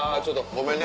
ごめんね。